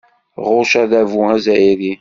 Ɣucc adabu azzayri.